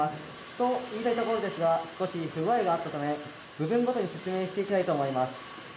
と言いたいところですが少し不具合があったため部分ごとに説明していきたいと思います。